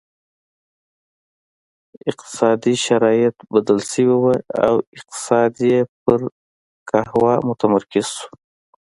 اقتصادي شرایط بدل شوي وو او اقتصاد یې پر قهوه متمرکز شو.